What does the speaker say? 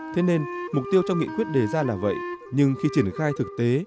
thế nên mục tiêu trong nghị quyết đề ra là vậy nhưng khi triển khai thực tế